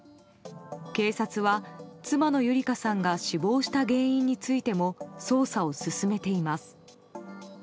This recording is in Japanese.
警察は妻の優理香さんが死亡した原因についても捜査を進めています。